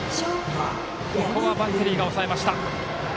ここはバッテリーが抑えました。